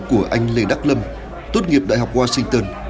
của anh lê đắc lâm tốt nghiệp đại học washington